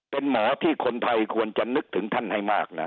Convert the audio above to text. เป็นหมอที่คนไทยควรจะนึกถึงท่านให้มากนะ